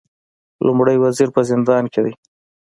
لومړی وزیر په زندان کې دی